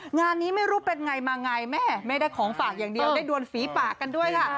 งานนี้ไม่รู้เป็นไงมาไงแม่ไม่ได้ของฝากอย่างเดียวได้ดวนฝีปากกันด้วยค่ะ